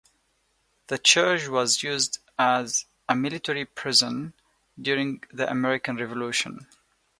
The church was used as a military prison during the American Revolution.